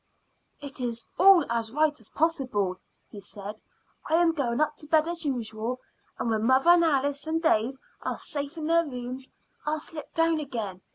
"It is all as right as possible," he said. "I am going up to bed as usual, and when mother and Alice and Dave are safe in their rooms I'll slip down again.